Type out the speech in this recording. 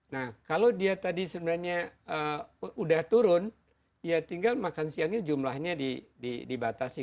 nah kalau dia tadi sebenarnya udah turun ya tinggal makan siangnya jumlahnya dibatasi